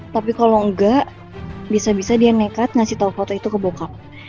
tapi kalau enggak bisa bisa dia nekat ngasih tau foto itu ke bokap